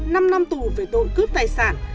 năm năm tù về tội cướp tài sản